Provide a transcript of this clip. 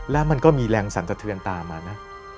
แล้วมันก็มีแรงสันสะเทือนตามมานะ